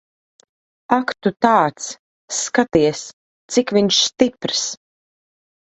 Ak tu tāds. Skaties, cik viņš stiprs.